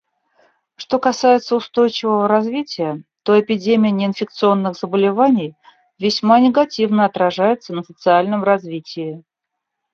Что касается устойчивого развития, то эпидемия неинфекционных заболеваний весьма негативно отражается на социальном развитии.